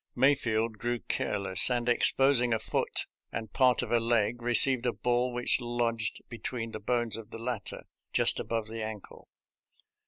May fleld grew careless, and, exposing a foot and part of a leg, received a ball which lodged be tween the bones of the latter just above the ankle.